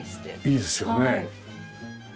いいですよね。